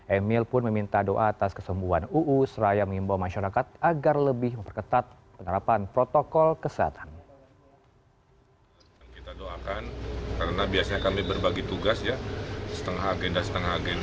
emil pun meminta doa atas kesembuhan uu seraya mengimbau masyarakat agar lebih memperketat penerapan protokol kesehatan